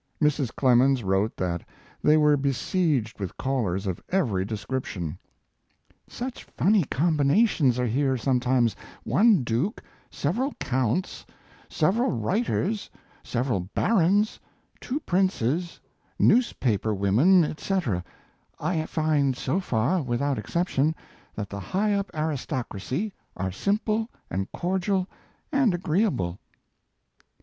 Mrs. Clemens wrote that they were besieged with callers of every description: Such funny combinations are here sometimes: one duke, several counts, several writers, several barons, two princes, newspaper women, etc. I find so far, without exception, that the high up aristocracy are simple and cordial and agreeable.